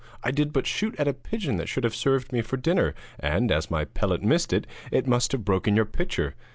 I did but shoot at a pigeon that should have served me for dinner, and as my pellet missed it, it must have broken your pitcher.